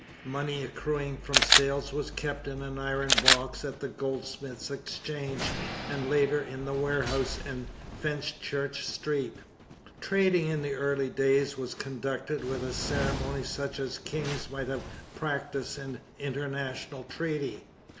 Money accruing from sales was kept in an iron box at the Goldsmiths' exchange, and later in the warehouse in Fenchurch Street. Trading in the early days was conducted with a ceremony such as kings might have practised in international treaty.